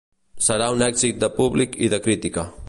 Serà un èxit de públic i de crítica.